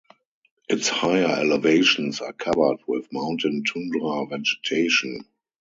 Its higher elevations are covered with mountain tundra vegetation.